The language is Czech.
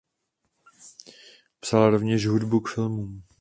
Psal rovněž hudbu k filmům.